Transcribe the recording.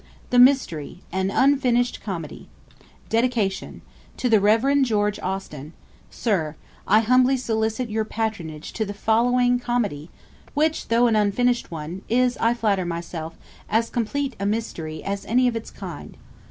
THE MYSTERY. AN UNFINISHED COMEDY. DEDICATION. TO THE REV. GEORGE AUSTEN. SIR, I humbly solicit your patronage to the following Comedy, which, though an unfinished one, is, I flatter myself, as complete a Mystery as any of its kind.